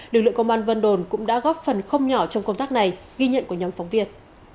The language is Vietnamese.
lực lượng công an vân đồn cũng đã góp phần không nhỏ trong công tác này ghi nhận của nhóm phóng viên